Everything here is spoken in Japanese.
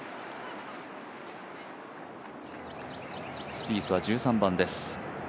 スピースは１３番です。